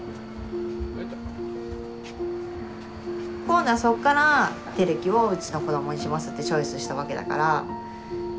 今度はそっから輝希をうちの子どもにしますってチョイスしたわけだから。